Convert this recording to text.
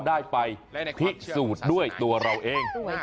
ได้ไปพิสูจน์ด้วยตัวเราเอง